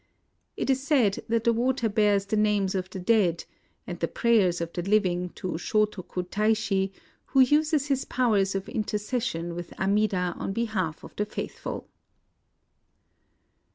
It is said that the water bears the names of the dead and the prayers of the living to Shotoku Tai shi, who uses his powers of intercession with Amida on behalf of the faithful.